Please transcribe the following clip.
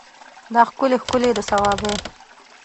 دا ښکلي ښکلي د صوابی